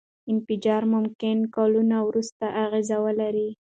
انفجار ممکن کلونه وروسته اغېز ولري.